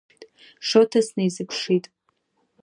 Шоҭа снеизыԥшит.